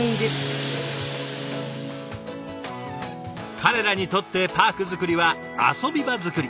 彼らにとってパーク作りは遊び場作り。